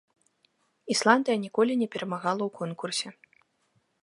Ісландыя ніколі не перамагала ў конкурсе.